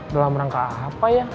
dalam rangka apa ya